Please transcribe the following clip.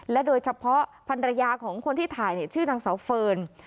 โดยเฉพาะพันรยาของคนที่ถ่ายชื่อนางสาวเฟิร์น